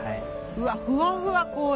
うわふわふわ氷。